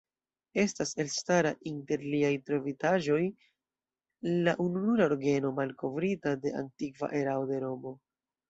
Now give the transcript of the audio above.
Estas elstara inter liaj trovitaĵoj la ununura orgeno malkovrita de antikva erao de Romo.